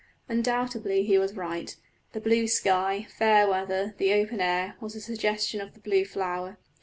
Undoubtedly he was right; the blue sky, fair weather, the open air, was a suggestion of the blue flower.